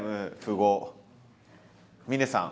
峰さん。